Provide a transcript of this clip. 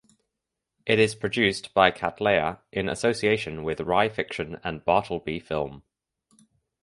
It is produced by Cattleya in association with Rai Fiction and Bartleby Film.